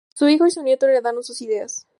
Su hijo y su nieto heredaron sus ideas.